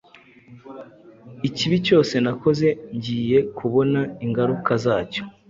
ikibi cyose nakoze ngiye kubona ingaruka zacyo,